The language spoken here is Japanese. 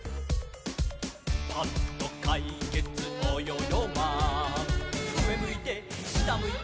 「パッとかいけつおよよマン」「うえむいてしたむいて」